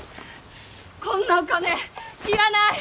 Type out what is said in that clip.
こんなお金いらない！